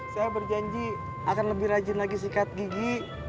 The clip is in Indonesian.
saya berjanji akan lebih rajin lagi sikat gigi